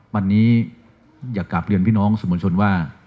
วันนี้อยากกลับเรียนพี่น้องสื่อมวลชนว่า